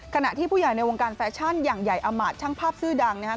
ขณะที่ผู้ใหญ่ในวงการแฟชั่นอย่างใหญ่อามาตย์ช่างภาพชื่อดังนะครับ